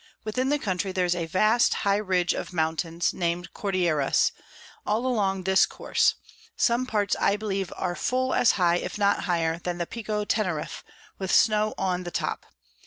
Within the Country there's a vast high Ridge of Mountains, nam'd Cordilleras, all along this Course; some parts I believe are full as high, if not higher, than the Pico Teneriff, with Snow on the top.